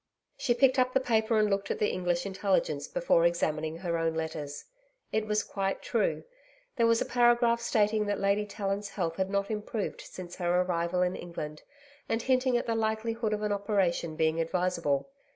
She picked up the paper and looked at the English Intelligence before examining her own letters. It was quite true. There was a paragraph stating that Lady Tallant's health had not improved since her arrival in England, and hinting at the likelihood of an operation being advisable.